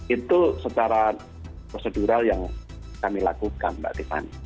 itu secara prosedural yang kami lakukan mbak tiffany